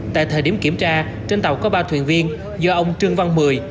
tại thời điểm kiểm tra trên tàu có ba thuyền viên do ông trương văn mười